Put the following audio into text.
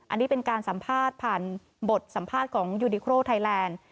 อันนี้เป็นการสัมภาษณ์ผ่านบทสัมภาษณ์ของยูดิโครไทยแลนด์